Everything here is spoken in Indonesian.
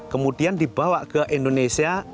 kemudian dibawa ke indonesia